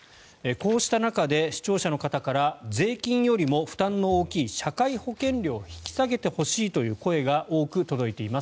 こうした中で視聴者の方から税金よりも負担の大きい社会保険料を引き下げてほしいという声が多く届いています。